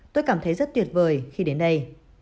tôi cảm thấy rất tuyệt vời khi đến đây